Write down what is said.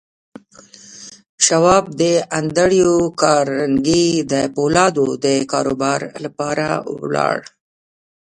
شواب د انډریو کارنګي د پولادو د کاروبار لپاره ولاړ